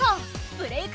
「ブレイクッ！